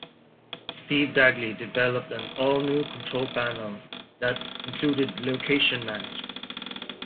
Steve Dagley developed an all-new control panel that included location management.